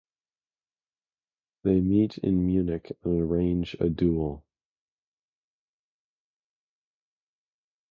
They meet in Munich and arrange a duel.